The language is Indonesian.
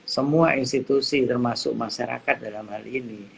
semua institusi termasuk masyarakat dalam hal ini